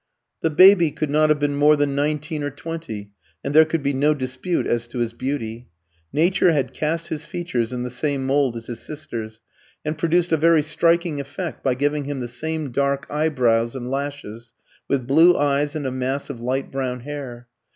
The baby could not have been more than nineteen or twenty, and there could be no dispute as to his beauty. Nature had cast his features in the same mould as his sister's, and produced a very striking effect by giving him the same dark eyebrows and lashes, with blue eyes and a mass of light brown hair.